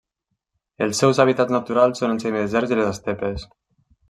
Els seus hàbitats naturals són els semideserts i les estepes.